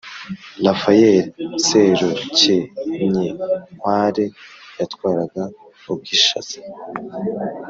Rafaeli Serukenyinkware yatwaraga Ubwishaza.